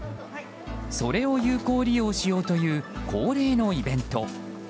それを有効利用しようという恒例のイベント。